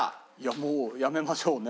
もうやめましょうね。